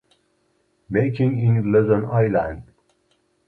Makiling in Luzon Island.